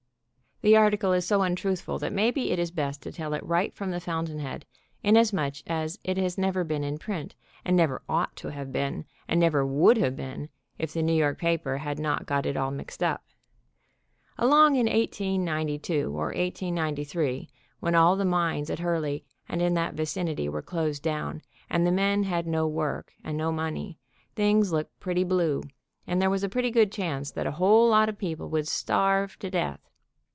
The arti cle is so untruthful that maybe it is best to tell it right from the fountain head, inasmuch as it has never been in print, and never ought to have been, and never would have been, if the New York paper had not got it all mixed up. Along in 1892 or 1893, when all the mines at Hur ley and in that vicinity were closed down, and the men had no work, and no money, things looked pretty blue, and there was a pretty good chance that a whole lot of people would starve to death.